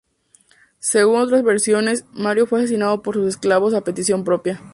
Según otras versiones, Mario fue asesinado por sus esclavos, a petición propia.